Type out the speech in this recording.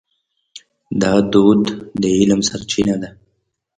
دا دود د علم سرچینه ده.